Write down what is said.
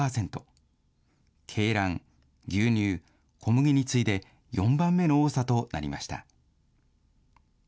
鶏卵、牛乳、小麦に次いで４番目の多さとなりました。